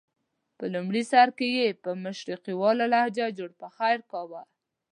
په لومړي سر کې یې په مشرقیواله لهجه جوړ پخیر کاوه.